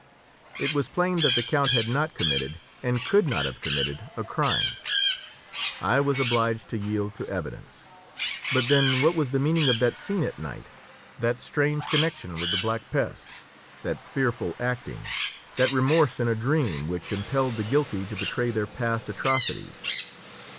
It was plain that the count had not committed, and could not have committed, a crime. I was obliged to yield to evidence. But, then, what was the meaning of that scene at night, that strange connection with the Black Pest, that fearful acting, that remorse in a dream, which impelled the guilty to betray their past atrocities?